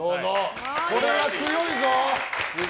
これは強いぞ。